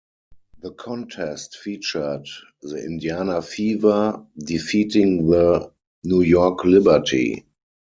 The contest featured the Indiana Fever defeating the New York Liberty.